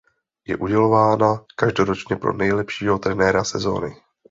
Je udělována každoročně pro nejlepšího trenéra sezóny.